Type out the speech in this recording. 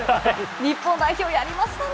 日本代表やりましたね。